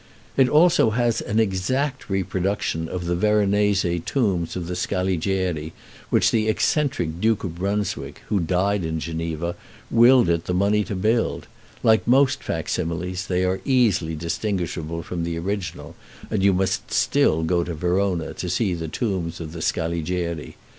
It also has an exact reproduction of the Veronese tombs of the Scaligeri, which the eccentric Duke of Brunswick, who died in Geneva, willed it the money to build; like most fac similes, they are easily distinguishable from the original, and you must still go to Verona to see the tombs of the Scaligeri.